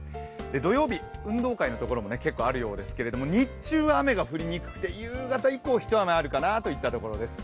土曜日、運動会のところも結構あるようですが日中は雨が降りにくくて日中以降、一雨あるかなというところです。